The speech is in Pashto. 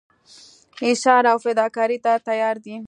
ایثار او فداکارۍ ته تیار دي.